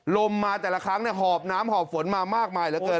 ลมมาแต่ละครั้งหอบน้ำหอบฝนมามากมายเหลือเกิน